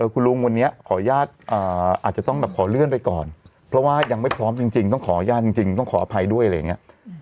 คุณลุงวันนี้ขออนุญาตอาจจะต้องแบบขอเลื่อนไปก่อนเพราะว่ายังไม่พร้อมจริงต้องขออนุญาตจริงต้องขออภัยด้วยอะไรอย่างนี้